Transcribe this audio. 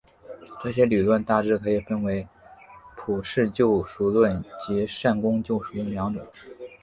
这些理论大致可以分为普世救赎论及善功救赎论两种。